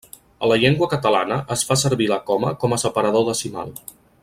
A la llengua catalana es fa servir la coma com a separador decimal.